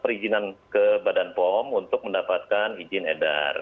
perizinan ke badan pom untuk mendapatkan izin edar